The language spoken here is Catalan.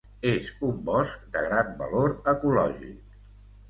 És un bosc de gran valor ecològic.